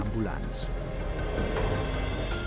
perguruan pengungsian di puskesmas